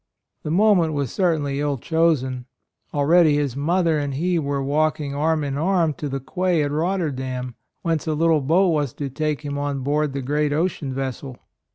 The moment was 48 A ROYAL SON certainly ill chosen: already his mother and he were walking arm in arm to the quay at Rotterdam, whence a little boat was to take him on board the great ocean vessel.